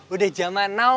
udah zaman now